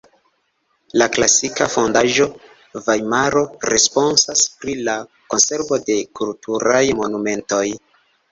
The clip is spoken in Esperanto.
La klasika fondaĵo Vajmaro responsas pri la konservo de kulturaj monumentoj.